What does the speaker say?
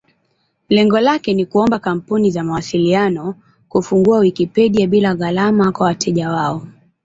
Lengo lake ni kuomba kampuni za mawasiliano kufungua Wikipedia bila gharama kwa wateja wao.